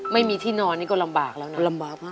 ไม่มีที่นอนนี่ก็ลำบากแล้วนะ